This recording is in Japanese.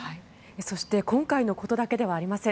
そして今回のことだけではありません。